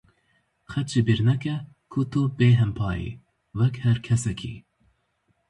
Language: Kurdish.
Qet ji bîr neke ku tu bêhempa yî, wek her kesekî.